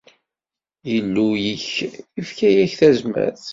Illu-ik ifka-yak-d tazmert.